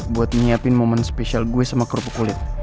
buat nyiapin momen spesial gue sama kerupuk kulit